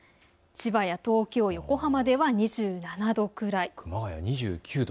千葉や東京、横浜では２７度くらい。